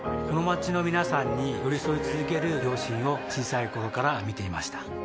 この街の皆さんに寄り添い続ける両親を小さい頃から見ていました